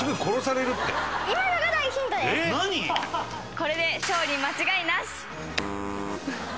これで勝利間違いなし！